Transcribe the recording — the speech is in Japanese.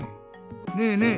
ねえねえ